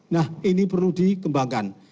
nah ini perlu dikembangkan